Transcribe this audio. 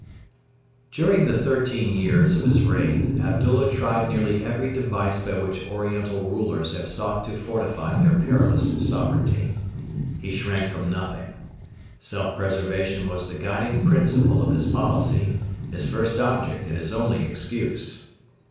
During the thirteen years of his reign Abdullah tried nearly every device by which Oriental rulers have sought to fortify their perilous sovereignty. He shrank from nothing. Self preservation was the guiding principle of his policy, his first object and his only excuse.